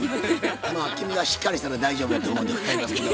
まあ君がしっかりしたら大丈夫やと思うんでございますけど。